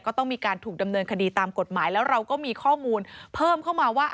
ก็ต้องมีการถูกดำเนินคดีตามกฎหมายแล้วเราก็มีข้อมูลเพิ่มเข้ามาว่า